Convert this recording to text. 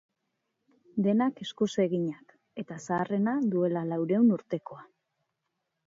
Denak eskuz eginak, eta zaharrena duela laurehun urtekoa.